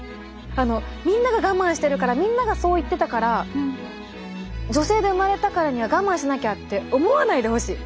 あのみんなが我慢してるからみんながそう言ってたから女性で生まれたからには我慢しなきゃって思わないでほしい。